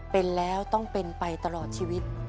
เป็นแล้วต้องเป็นไปตลอดชีวิต